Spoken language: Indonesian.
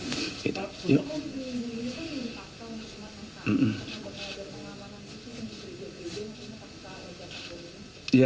iya tentunya akan ada operasi ya